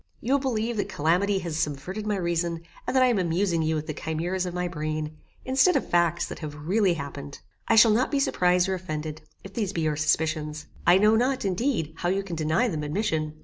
You will believe that calamity has subverted my reason, and that I am amusing you with the chimeras of my brain, instead of facts that have really happened. I shall not be surprized or offended, if these be your suspicions. I know not, indeed, how you can deny them admission.